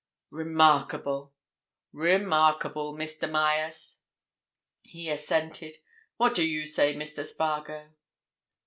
"Remarkable—remarkable, Mr. Myerst!" he assented. "What do you say, Mr. Spargo?"